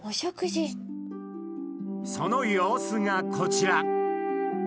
その様子がこちら！